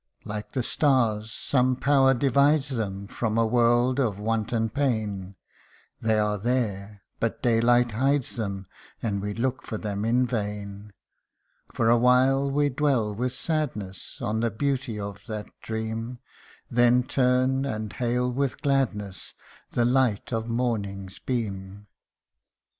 Like the stars, some power divides them From a world of want and pain ; They are there, but daylight hides them, And we look for them in vain. For a while we dwell with sadness, On the beauty of that dream, AS WHEN FROM DREAMS AWAKING. 187 Then turn, and hail with gladness The light of morning's beam.